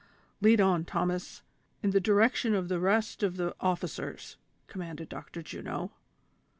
" Lead on, Thomas, in the direction of the rest of the officers," commanded Dr. Juno.